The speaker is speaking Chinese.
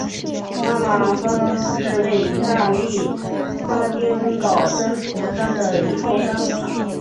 拉马尔摩拉峰是位于义大利撒丁岛真图山的一座山峰。